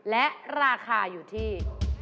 และราคาอยู่ที่